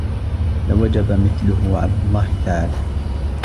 لَوَجَبَ مِثْلُهُ عَلَى اللَّهِ تَعَالَى